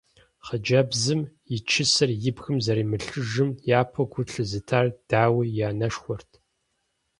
Хъыджэбзым и чысэр и бгым зэримылъыжым япэу гу лъызытар, дауи, и анэшхуэрт.